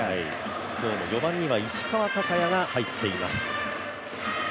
今日も４番には石川昂弥が入っています。